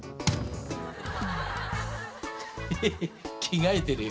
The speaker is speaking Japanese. ヘヘヘッ着替えてるよ。